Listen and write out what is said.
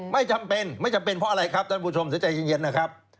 ไม่จำเป็นไม่จำเป็นเพราะอะไรครับท่านผู้ชมเสียใจเย็นนะครับ